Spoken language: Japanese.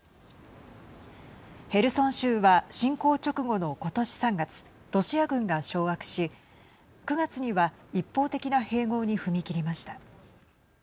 ヘルソン州は侵攻直後の今年３月ロシア軍が掌握し９月には一方的な併合に踏み切りました。